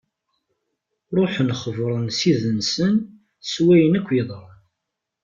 Ṛuḥen xebbṛen ssid-nsen s wayen akk yeḍran.